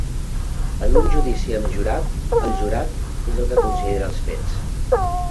En un judici amb jurat, el jurat és el que considera els fets.